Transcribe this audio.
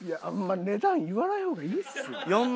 あんま値段言わない方がいいっすよ。